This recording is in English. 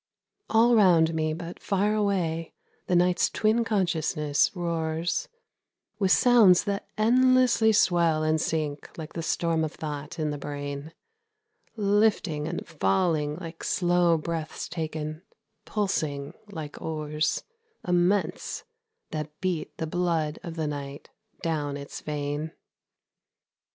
All round me, but far away, the night's twin consciousness roars With sounds that endlessly swell and sink like the storm of thought in the brain, Lifting and falling like slow breaths taken, pulsing like oars Immense that beat the blood of the night down its vein.